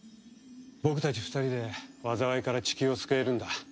僕たち２人で災いからチキューを救えるんだ。